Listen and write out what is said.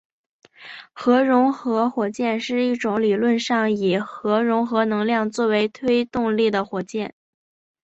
核融合火箭是一种理论上以核融合能量作为推动力的火箭。